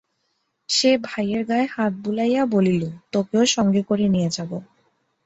সে ভাই-এর গায়ে হাত বুলাইয়া বলিল, তোকেও সঙ্গে করে নিয়ে যাবো।